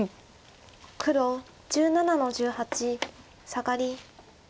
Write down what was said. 黒１７の十八サガリ。